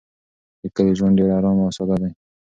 د کلي ژوند ډېر ارام او ساده دی.